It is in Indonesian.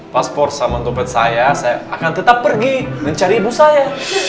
paspor sama dompet saya saya akan tetap pergi mencari ibu saya